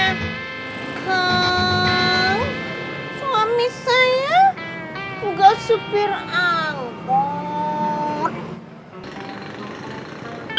kang suami saya juga sepir angkut